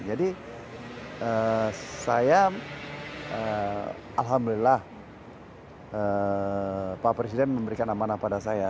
jadi saya alhamdulillah pak presiden memberikan amanah pada saya